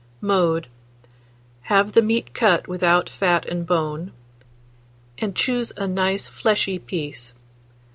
Mode. Have the meat cut without fat and bone, and choose a nice fleshy piece.